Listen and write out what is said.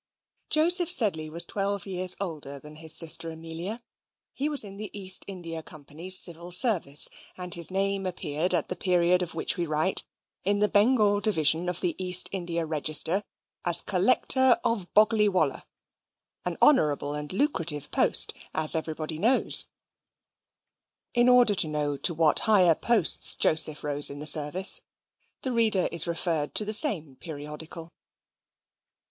Joseph Sedley was twelve years older than his sister Amelia. He was in the East India Company's Civil Service, and his name appeared, at the period of which we write, in the Bengal division of the East India Register, as collector of Boggley Wollah, an honourable and lucrative post, as everybody knows: in order to know to what higher posts Joseph rose in the service, the reader is referred to the same periodical.